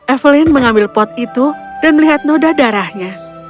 evelyn mengambil pot itu dan melihat noda darahnya